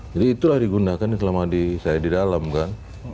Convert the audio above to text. jadi itulah digunakan selama saya di dalam kan